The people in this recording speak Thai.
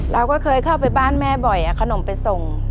เราก็เคยเข้าไปบ้านแม่บ่อยเอาขนมไปส่ง